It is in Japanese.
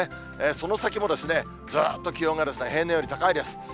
その先も、ずっと気温が平年より高いです。